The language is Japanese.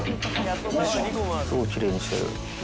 すごいきれいにしてる。